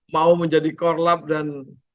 mau menjadi korlab dan